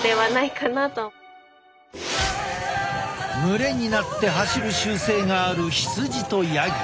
群れになって走る習性がある羊とヤギ。